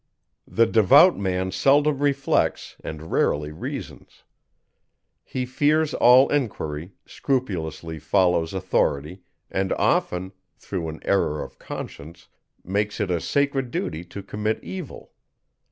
The devout man seldom reflects, and rarely reasons. He fears all enquiry, scrupulously follows authority, and often, through an error of conscience, makes it a sacred duty to commit evil.